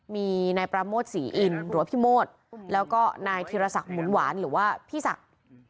มีนายปราโมทศรีอินหรือว่าพี่โมดแล้วก็นายธีรศักดิ์หมุนหวานหรือว่าพี่ศักดิ์